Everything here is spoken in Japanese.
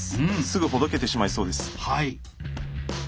すぐほどけてしまいそうです。